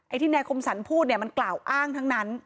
ที่นายคมสรรพูดเนี่ยมันกล่าวอ้างทั้งนั้น